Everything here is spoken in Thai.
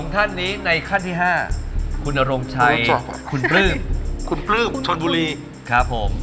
ท่านนี้ในขั้นที่๕คุณนรงชัยคุณปลื้มคุณปลื้มชนบุรีครับผม